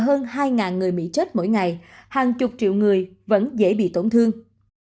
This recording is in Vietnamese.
nhưng khi hơn hai người mỹ chết mỗi ngày hàng chục triệu người vẫn dễ bị tổn thương